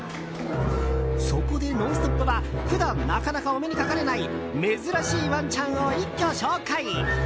そこで「ノンストップ！」は普段、なかなかお目にかかれない珍しいワンちゃんを一挙紹介！